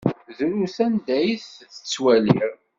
Drus anda ay t-ttwaliɣ.